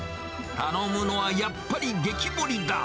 頼むのはやっぱり激盛りだ。